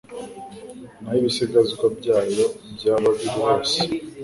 n aho ibisigazwa byayo byaba biri hose